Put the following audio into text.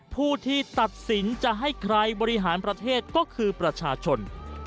ผู้ที่ตัดสินจะให้ใครบริหารประเทศก็คือประชาชน